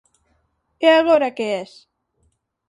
E agora que es?